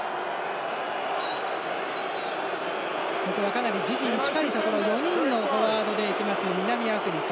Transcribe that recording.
かなり自陣近いところ４人のフォワードでいきます南アフリカ。